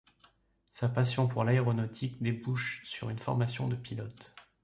Sa passion pour l'aéronautique débouche sur une formation de pilote.